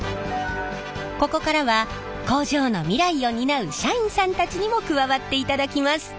ここからは工場の未来を担う社員さんたちにも加わっていただきます。